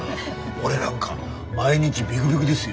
俺なんか毎日ビクビクですよ。